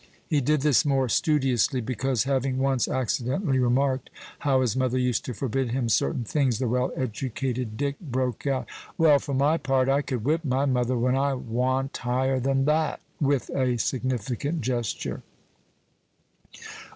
He did this more studiously, because, having once accidentally remarked how his mother used to forbid him certain things, the well educated Dick broke out, "Well, for my part, I could whip my mother when I wa'n't higher than that!" with a significant gesture.